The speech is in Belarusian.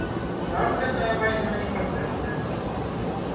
Нам гэтая вайна не патрэбная.